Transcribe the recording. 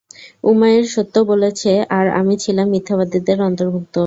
উমাইর সত্য বলেছে আর আমি ছিলাম মিথ্যাবাদীদের অর্ন্তভূক্ত।